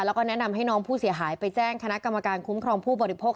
แล้วก็แนะนำให้น้องผู้เสียหายไปแจ้งคณะกรรมการคุ้มครองผู้บริโภค